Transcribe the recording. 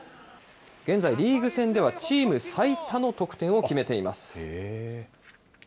現在、リーグ戦ではチーム最多の得点を決めています。